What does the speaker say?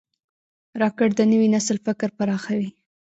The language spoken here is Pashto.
راکټ د نوي نسل فکر پراخوي